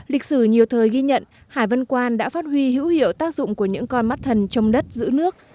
lịch sử nhiều thời ghi nhận hải vân quan đã phát huy hữu hiệu tác dụng của những con mắt thần trong đất giữ nước